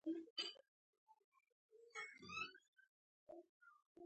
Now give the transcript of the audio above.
زما زړه ورېږده او له ځان سره مې وویل.